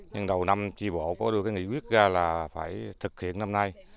nhưng đầu năm tri bộ có đưa cái nghị quyết ra là phải thực hiện năm nay